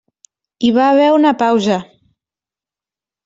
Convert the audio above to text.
Hi va haver una pausa.